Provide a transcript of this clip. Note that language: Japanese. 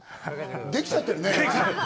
できちゃってるね。